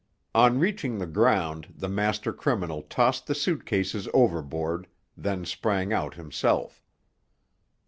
On reaching the ground the master criminal tossed the suit cases overboard, then sprang out himself.